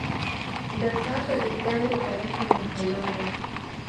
دا تا ته د خدای له طرفه نښانه ده .